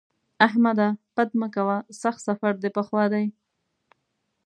احمده! بد مه کوه؛ سخت سفر دې په خوا دی.